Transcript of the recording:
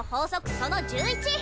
その１１！